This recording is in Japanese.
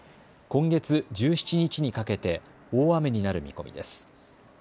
今月１７日にかけて大雨になる見込みです。